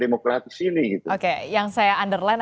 demokratis ini gitu oke yang saya underline